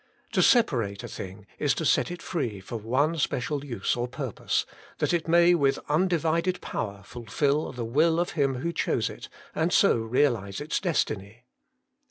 To separate a thing is to set it free for one special use or purpose, that it may with undivided power fulfil the will of him who chose it, and so realize its destiny.